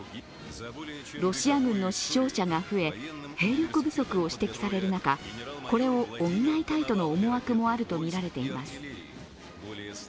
ロシア軍の死傷者が増え兵力不足が指摘される中これを補いたいとの思惑もあるとみられています。